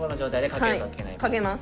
賭けます。